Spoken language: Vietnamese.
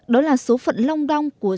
đó là số phận long đong của